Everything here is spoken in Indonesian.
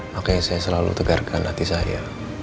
makanya saya selalu tegarkan hati saya